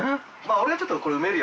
俺がちょっと埋めるよ。